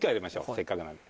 せっかくなんで。